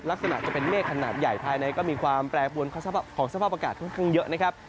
ลักษณะจะเป็นเมฆขนาดใหญ่ภายในก็มีความแปรปวนของสภาพอากาศค่อนข้างเยอะนะครับ